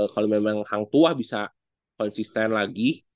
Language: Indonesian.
kalau memang hang tua bisa konsisten lagi